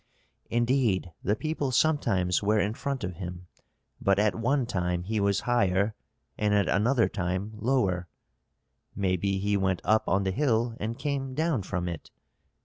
"Indeed the people sometimes were in front of him. But at one time he was higher and at another time lower " "Maybe he went up on the hill and came down from it?"